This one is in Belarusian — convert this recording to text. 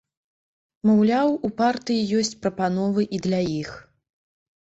Маўляў, у партыі ёсць прапановы і для іх.